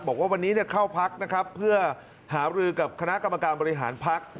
บอกว่าวันนี้เข้าพักนะครับเพื่อหารือกับคณะกรรมการบริหารพัก